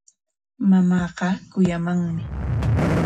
Mamaaqa kuyamanmi.